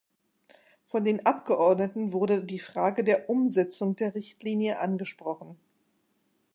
Von den Abgeordneten wurde die Frage der Umsetzung der Richtlinie angesprochen.